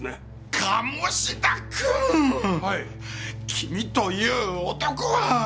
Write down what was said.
君という男は！